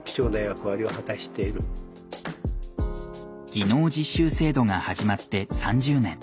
技能実習制度が始まって３０年。